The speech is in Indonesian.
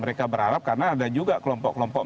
mereka berharap karena ada juga kelompok kelompok